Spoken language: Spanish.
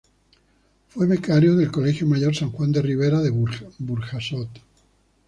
Fue becario del Colegio Mayor San Juan de Ribera de Burjasot.